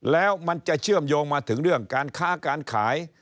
แล้วมันจะเชื่อมโยงมาถึงเรื่องการค้าการขาย